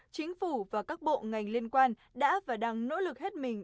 chính phủ và các bộ ngành liên quan đã và đang nỗ lực hết mình